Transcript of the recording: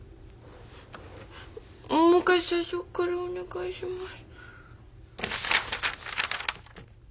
もう１回最初からお願いします。